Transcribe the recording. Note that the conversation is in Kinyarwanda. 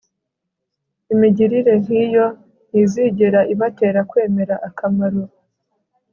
Imigirire nkiyo ntizigera ibatera kwemera akamaro